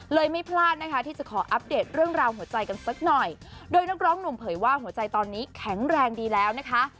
ไม่พลาดนะคะที่จะขออัปเดตเรื่องราวหัวใจกันสักหน่อยโดยนักร้องหนุ่มเผยว่าหัวใจตอนนี้แข็งแรงดีแล้วนะคะ